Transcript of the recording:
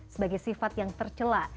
sebagai sifat yang tercelah